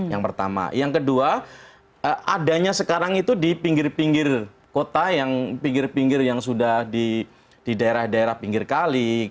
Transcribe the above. yang pertama yang kedua adanya sekarang itu di pinggir pinggir kota yang pinggir pinggir yang sudah di daerah daerah pinggir kali